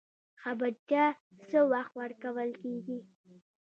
خبرتیا څه وخت ورکول کیږي؟